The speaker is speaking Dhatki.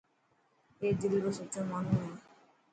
اي دل رو سچو ماڻهو هي.